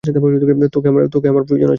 তোকে আমার প্রয়োজন।